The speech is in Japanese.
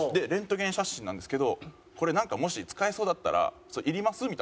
「レントゲン写真なんですけどこれなんかもし使えそうだったらいります？」